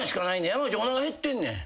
山内おなか減ってんねん。